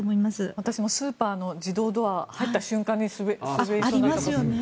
私もスーパーの自動ドア入った瞬間に滑りそうになったことがあります。